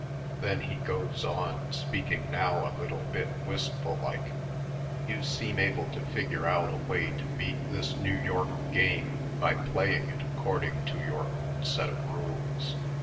Then he goes on, speak ing now a little bit wistful like : "You seem able to figure out a way to beat this New York game, by playing it according to your own set of rules.